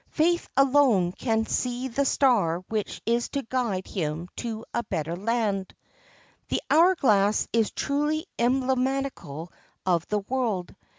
Faith alone can see the star which is to guide him to a better land. The hour glass is truly emblematical of the world.